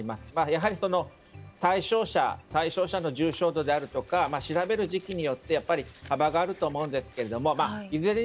やはり対象者の重症度であるとか調べる時期によって幅があると思うんですけどいずれ